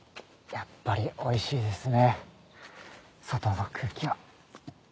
やっぱりおいしいですね外の空気は。